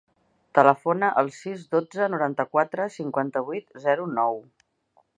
Telefona al sis, dotze, noranta-quatre, cinquanta-vuit, zero, nou.